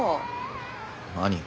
何？